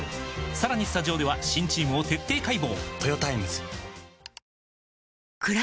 さらにスタジオでは新チームを徹底解剖！